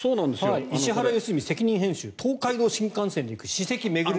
「石原良純責任編集東海道新幹線で行く史跡めぐりの旅」。